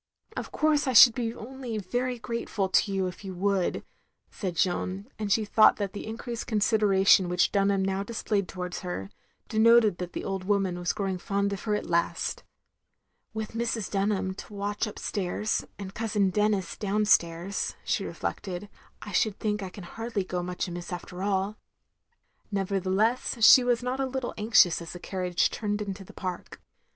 "Of course I should be only very grateful to you if you would, " said Jeanne; and she thought that the increased consideration which Dunham now displayed towards her, denoted that the old woman was growing fond of her at last. " With Mrs. Dtmham on the watch upstairs, and Cousin Denis downstairs, " she reflected, " I should think I can hardly go much amiss after all. " Nevertheless she was not a little anxious as the carriage turned into the park.